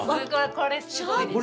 これすごいでしょ。